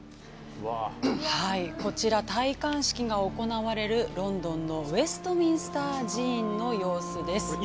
こちら、戴冠式が行われるロンドンのウェストミンスター寺院の様子です。